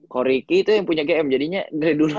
ko riki tuh yang punya gm jadinya dari dulu